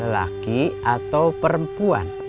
laki atau perempuan